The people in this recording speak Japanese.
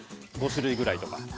５種類ぐらいとか。